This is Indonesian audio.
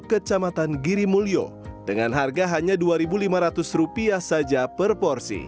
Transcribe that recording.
kecamatan girimulyo dengan harga hanya rp dua lima ratus saja per porsi